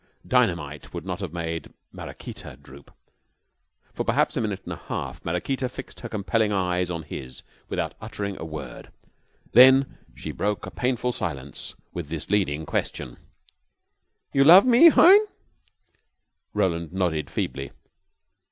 Dynamite would not have made Maraquita droop. For perhaps a minute and a half Maraquita fixed her compelling eyes on his without uttering a word. Then she broke a painful silence with this leading question: "You love me, hein?" Roland nodded feebly.